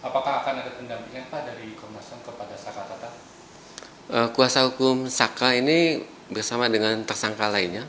pembangunan terhadap tni polong